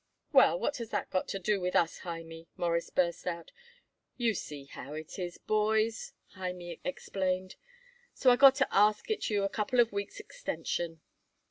"Well, what has that got to do with us, Hymie?" Morris burst out. "You see how it is, boys," Hymie explained; "so I got to ask it you a couple of weeks' extension."